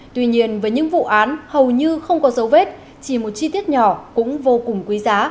tuy nhiên với những vụ án hầu như không có dấu vết chỉ một chi tiết nhỏ cũng vô cùng quý giá